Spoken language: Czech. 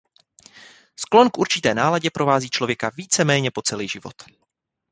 Sklon k určité náladě provází člověka víceméně po celý život.